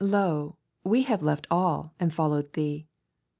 Lo, we have left all, and followed tnee.